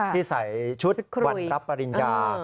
ที่ใส่ชุดวันรับปริญญา